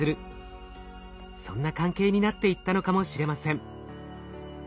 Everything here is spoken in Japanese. そんな関係になっていったのかもしれません。